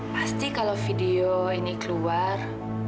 pasti kalau video ini keluar